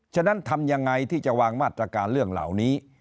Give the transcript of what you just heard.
ฉะนั้นทำยังไงที่จะวางมาตรการเรื่องเหล่านี้